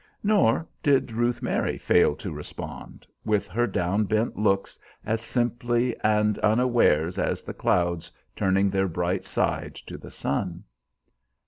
Nor did Ruth Mary fail to respond, with her down bent looks, as simply and unawares as the clouds turning their bright side to the sun.